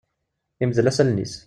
Imdel-as allen-is.